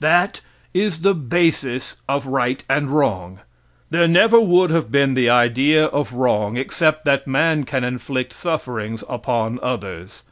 That is the basis of right and wrong. There never would have been the idea of wrong except that man can inflict sufferings upon others.